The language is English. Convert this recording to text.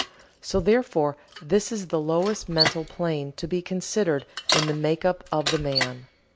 So therefore this is the lowest mental plane to be considered in the make up of the man.